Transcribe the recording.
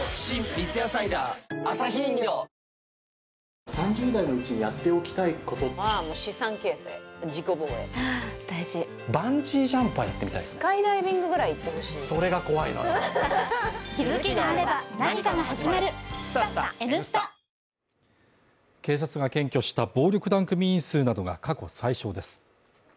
三ツ矢サイダー』警察が検挙した暴力団組員数などが過去最少です。